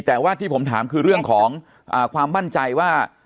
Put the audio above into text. แต่ว่าที่ผมถามคือเรื่องของความมั่นใจว่า